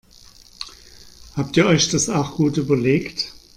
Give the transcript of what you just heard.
Habt ihr euch das auch gut überlegt?